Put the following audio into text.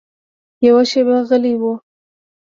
يوه شېبه غلی و.